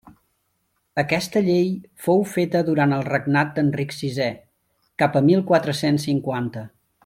Aquesta llei fou feta durant el regnat d'Enric sisè, cap a mil quatre-cents cinquanta.